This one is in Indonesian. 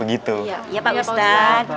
iya pak ustadz